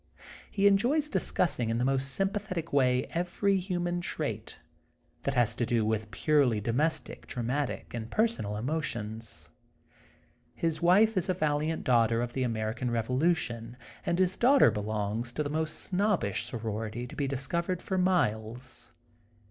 He enjoys discussing in the most sympathetic way every hnman trait tiiat has to do with purely domestic dramatic and personal emotions^ Hia wife is a val iant Daughter of the American Revolution and his daughter belongs to the most snob bish sorority to be discovered for miles.